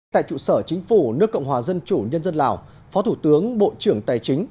tại trụ sở chính phủ nước cộng hòa dân chủ nhân dân lào phó thủ tướng bộ trưởng tài chính